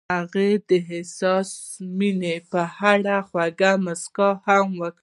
هغې د حساس مینه په اړه خوږه موسکا هم وکړه.